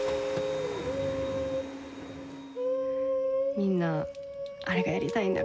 みんなあれがやりたいんだ